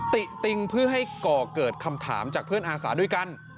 ติติงเพื่อให้ก่อเกิดคำถามจากเพื่อนอาสาด้วยกัน